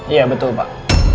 iya betul pak